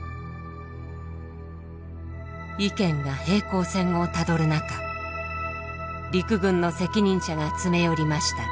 意見が平行線をたどる中陸軍の責任者が詰め寄りました。